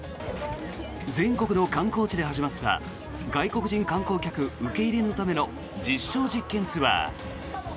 全国の観光地で始まった外国人観光客受け入れのための実証実験ツアー。